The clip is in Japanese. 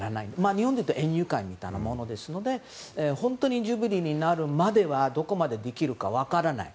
日本でいうと園遊会みたいなものですので本当にどこまでできるか分からない。